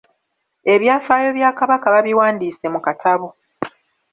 Ebyafaayo bya Kabaka babiwandiise mu katabo.